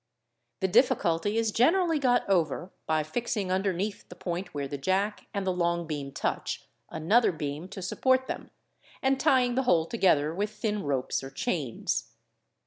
The difficulty is generally got over by fix ing underneath the point where the jack and the long beam touch, another beam _ to support them, and tying the whole to gether with thin ropes or chains, Fig.